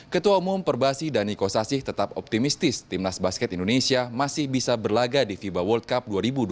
ketua umum perbasi dani kosasih tetap optimistis timnas basket indonesia masih bisa berlaga di fiba world cup dua ribu dua puluh